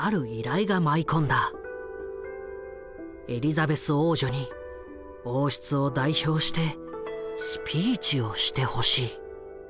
「エリザベス王女に王室を代表してスピーチをしてほしい」。